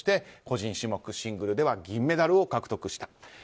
個人種目、シングルでは銀メダルを獲得した。